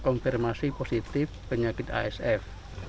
konfirmasi positif penyakit asf